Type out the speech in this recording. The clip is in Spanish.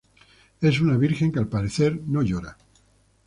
Es una Virgen, que al parecer, no llora.